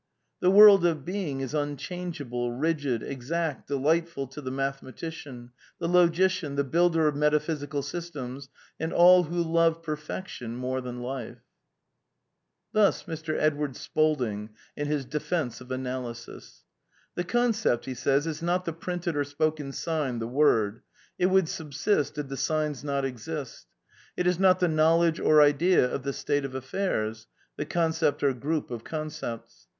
" The world of being is unchangeable, rigid, exact, delightful to the mathematician, the logician, the builder of metapl^sical systems, and all who love perfection more than life." Qbid. pp. 163 166.) Thus Mr. Edward Spalding in his Defence of Analysis: "The concept is not the printed or spoken sign, the word. It would subsist, did the signs not exist. ... It is not the knowledge or idea of the state of affairs." [The concept or group of concepts."